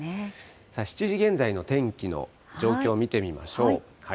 ７時現在の天気の状況を見てみましょう。